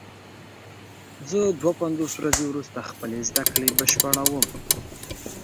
زه دوه پنځوس ورځې وروسته خپلې زده کړې بشپړوم.